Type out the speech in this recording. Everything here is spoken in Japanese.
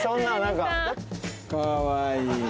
かわいい。